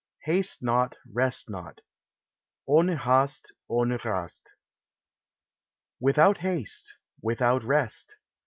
HASTE NOT ! REST NOT !" Ohne Hast, ohne Rast. M Without haste ! without rest